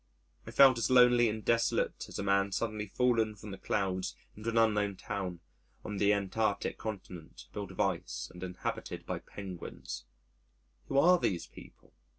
I felt as lonely and desolate as a man suddenly fallen from the clouds into an unknown town on the Antarctic Continent built of ice and inhabited by Penguins. Who are these people?